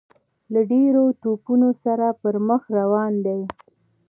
له ډیرو توپونو سره پر مخ روان دی.